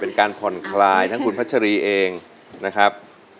เป็นการผ่อนคลายทั้งคุณพัชรีเองนะครับ